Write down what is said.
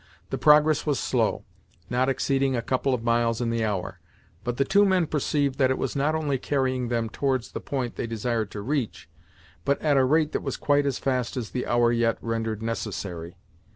The progress was slow not exceeding a couple of miles in the hour but the two men perceived that it was not only carrying them towards the point they desired to reach, but at a rate that was quite as fast as the hour yet rendered necessary.